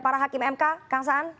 para hakim mk